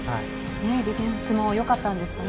ディフェンスもよかったんですね。